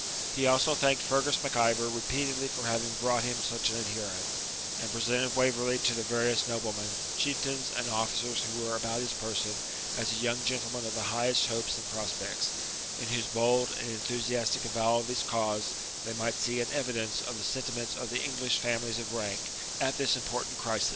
He also thanked Fergus Mac Ivor repeatedly for having brought him such an adherent, and presented Waverley to the various noblemen, chieftains, and officers who were about his person as a young gentleman of the highest hopes and prospects, in whose bold and enthusiastic avowal of his cause they might see an evidence of the sentiments of the English families of rank at this important crisis.